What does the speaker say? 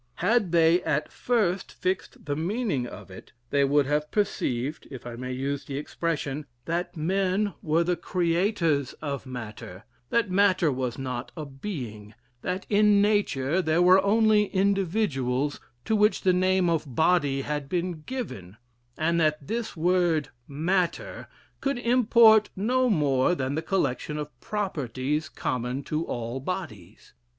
Had they at first fixed the meaning of it, they would have perceived, if I may use the expression, that men were the creators of Matter; that Matter was not a being; that in nature there were only individuals to which the name of Body had been given; and that this word Matter could import no more than the collection of properties common to all bodies.